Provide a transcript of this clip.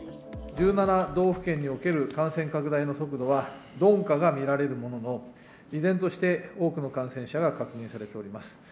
１７道府県における感染拡大の速度は、鈍化がみられるものの、依然として多くの感染者が確認されております。